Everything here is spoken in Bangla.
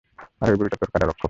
আর ঐ বুড়িটা তোর কারারক্ষক।